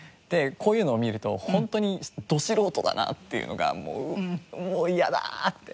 こういうのを見るとホントにド素人だなっていうのがもう嫌だ！って。